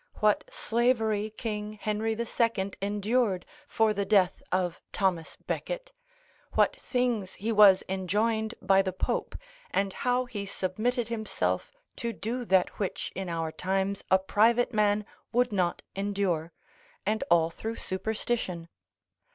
what slavery King Henry II. endured for the death of Thomas a Beckett, what things he was enjoined by the Pope, and how he submitted himself to do that which in our times a private man would not endure, and all through superstition.